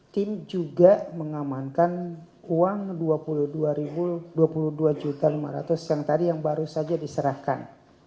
tim juga mengamankan uang dua puluh dua lima ratus yang tadi yang baru saja diserahkan